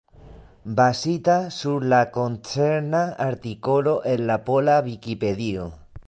Bazita sur la koncerna artikolo en la pola Vikipedio.